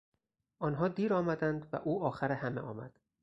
آنها دیر آمدند و او آخر همه آمد.